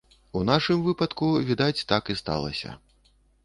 У нашым выпадку, відаць, так і сталася.